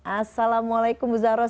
assalamualaikum bu zahroh